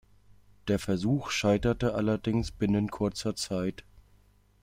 Der Versuch scheiterte allerdings binnen kurzer Zeit.